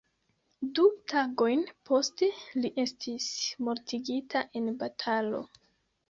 Du tagojn poste li estis mortigita en batalo.